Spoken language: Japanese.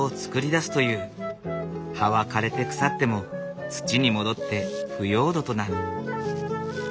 葉は枯れて腐っても土に戻って腐葉土となる。